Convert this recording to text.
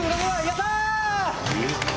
やったー！」